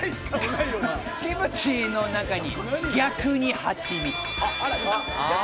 キムチの中に逆にハチミツ。